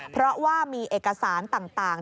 เพราะว่ามีเอกสารต่าง